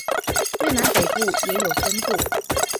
越南北部也有分布。